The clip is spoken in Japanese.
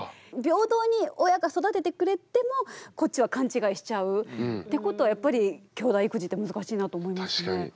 平等に親が育ててくれてもこっちは勘違いしちゃうってことはやっぱりきょうだい育児って難しいなと思いますね。